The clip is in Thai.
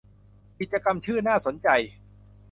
กิจกรรมชื่อน่าสนใจ